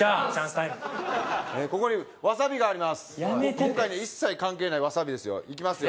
今回に一切関係ないわさびですよいきますよ